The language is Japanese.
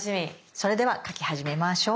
それでは描き始めましょう。